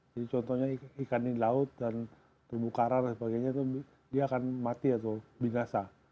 jadi contohnya ikan di laut dan tumbuh karar dan sebagainya itu dia akan mati atau binasa